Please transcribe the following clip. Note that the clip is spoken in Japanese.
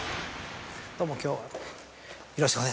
どうも今日はよろしくお願いします。